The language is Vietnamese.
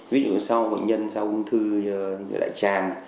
ví dụ như sau bệnh nhân sau ung thư lại tràn